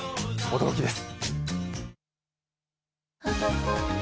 驚きです。